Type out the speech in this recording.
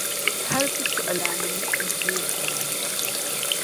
Hal putɔɣulaannim’ yi kul zoori kaman mɔri la.